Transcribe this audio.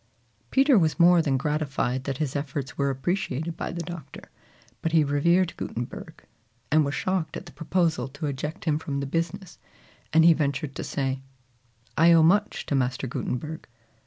Peter was more than gratified that his efforts were appreciated by the Doctor; but he revered Gutenberg, and was shocked at the proposal to eject him from the business, and he ventured to say, "I owe much to Master Gutenberg."